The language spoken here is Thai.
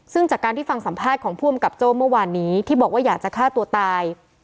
ซึ่งจากการที่ฟังสัมภาษณ์ของผู้อำกับโจ้เมื่อวานนี้ที่บอกว่าอยากจะฆ่าตัวตาย